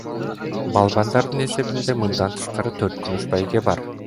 Балбандардын эсебинде мындан тышкары төрт күмүш байге бар.